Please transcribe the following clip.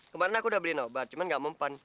kemarin aku udah beliin obat cuman gak mempan